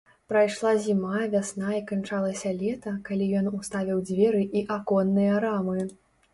Прайшла зіма, вясна, і канчалася лета, калі ён уставіў дзверы і аконныя рамы.